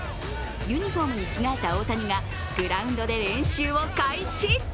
ユニフォームに着替えた大谷がグラウンドで練習を開始。